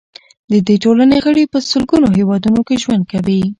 د دې ټولنې غړي په سلګونو هیوادونو کې ژوند کوي.